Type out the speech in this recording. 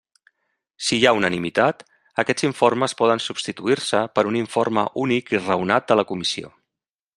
Si hi ha unanimitat, aquests informes poden substituir-se per un informe únic i raonat de la Comissió.